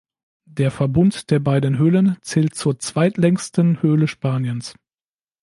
Der Verbund der beiden Höhlen zählt zur zweitlängsten Höhle Spaniens.